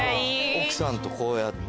奥さんとこうやって。